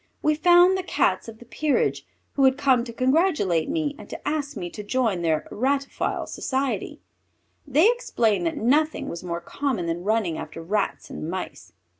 We found the Cats of the Peerage, who had come to congratulate me and to ask me to join their Ratophile Society. They explained that nothing was more common than running after Rats and Mice.